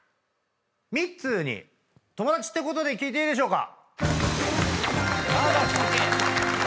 ミッツーに友達ってことで聞いていいでしょうか？